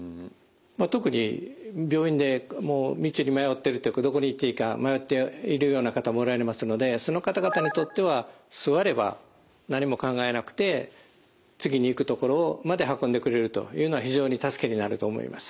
特に病院で道に迷ってるというかどこに行っていいか迷っているような方もおられますのでその方々にとっては座れば何も考えなくて次に行くところまで運んでくれるというのは非常に助けになると思います。